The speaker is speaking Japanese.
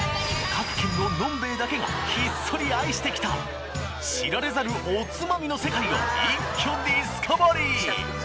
各県の呑んべえだけがひっそり愛してきた知られざるおつまみの世界を一挙ディスカバリー！！